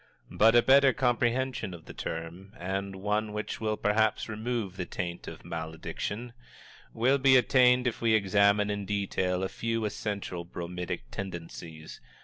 But a better comprehension of the term, and one which will perhaps remove the taint of malediction, will be attained if we examine in detail a few essential bromidic tendencies.